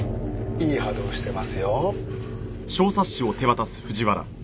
いい波動してますよ。